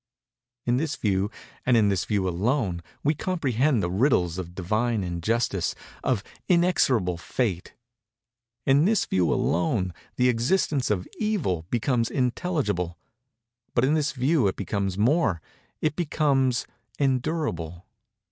In this view, and in this view alone, we comprehend the riddles of Divine Injustice—of Inexorable Fate. In this view alone the existence of Evil becomes intelligible; but in this view it becomes more—it becomes endurable.